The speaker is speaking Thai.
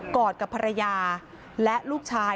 อดกับภรรยาและลูกชาย